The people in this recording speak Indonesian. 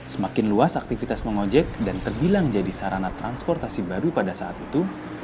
semakin luas aktivitas mengojek dan terbilang jadi sarana transportasi baru pada saat itu